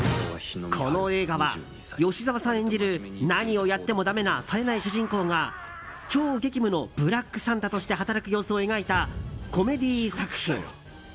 この映画は、吉沢さん演じる何をやってもだめなさえない主人公が超激務のブラックサンタとして働く様子を描いたコメディー作品。